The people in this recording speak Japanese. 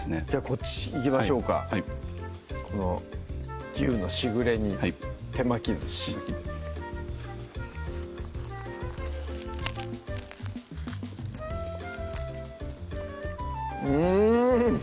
こっちいきましょうかはいこの牛のしぐれ煮手巻き寿司うん！